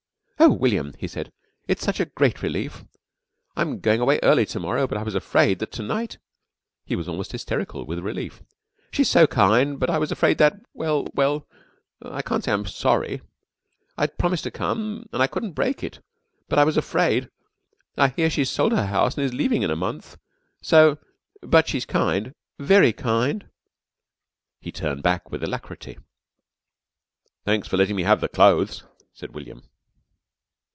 "Oh, William," he said, "it's a great relief. I'm going away early to morrow, but I was afraid that to night " he was almost hysterical with relief. "She's so kind, but I was afraid that well, well, I can't say I'm sorry I'd promised to come, and I couldn't break it. But I was afraid and I hear she's sold her house and is leaving in a month, so but she's kind very kind." He turned back with alacrity. "Thanks for letting me have the clothes," said William.